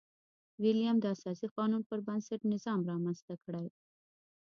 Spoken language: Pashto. ویلیم د اساسي قانون پربنسټ نظام رامنځته کړي.